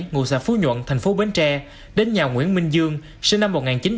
ngụ xã phú nhuận thành phố bến tre đến nhà nguyễn minh dương sinh năm một nghìn chín trăm tám mươi